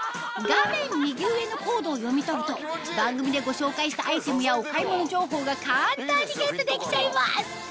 画面右上のコードを読み取ると番組でご紹介したアイテムやお買い物情報が簡単にゲットできちゃいます